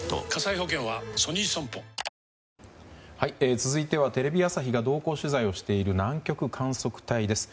続いてはテレビ朝日が同行取材をしている南極観測隊です。